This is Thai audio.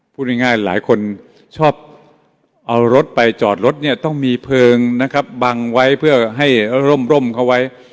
พูดง่ายว่าหลายคนชอบเอารถไปจอดรถต้องมีเพลิงบังไว้เพื่อให้ร่มเข้าไว้